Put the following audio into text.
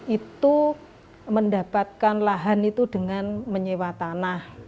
itu mendapatkan lahan itu dengan menyewa tanah